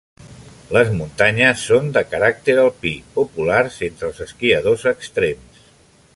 Les muntanyes són de caràcter alpí, populars entre els esquiadors extrems.